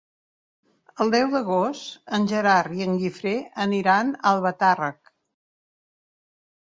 El deu d'agost en Gerard i en Guifré aniran a Albatàrrec.